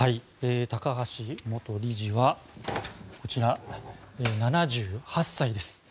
高橋元理事は７８歳です。